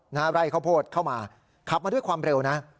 ไร่ข้าวโพดเข้ามาขับมาด้วยความเร็วนะ